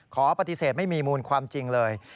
ขอปฏิเสธไม่มีมูลความจริงเลย